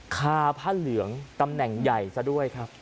คาผ้าเหลืองตำแหน่งใหญ่ซะด้วยครับ